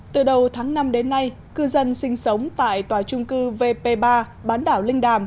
từ đầu tháng năm đến nay cư dân sinh sống tại tòa trung cư vp ba bán đảo linh đàm